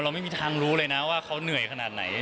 ไม่มีทางรู้เลยนะว่าเขาเหนื่อยขนาดไหน